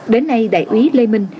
đến nay đại úy lê minh